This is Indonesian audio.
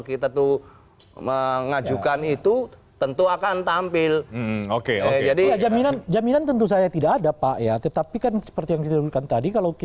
itu betul tidak begitu